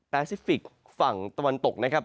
ซิฟิกฝั่งตะวันตกนะครับ